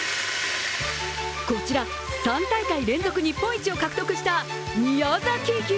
こちら３大会連続日本一を獲得した宮崎牛。